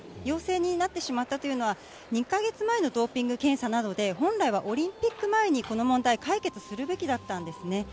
陽性になってしまったというのは、２か月前のドーピング検査なので、本来はオリンピック前にこの問題、解決するべきだったんですね。